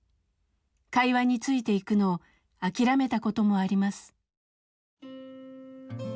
会話についていくのを諦めたこともあります。